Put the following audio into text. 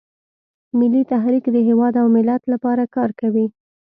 ملي تحریک د هیواد او ملت لپاره کار کوي